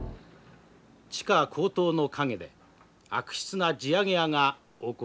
「地価高騰の陰で悪質な地上げ屋が横行しました」。